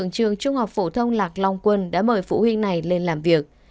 trường trung học phổ thông lạc long quân đã mời phụ huynh này lên làm việc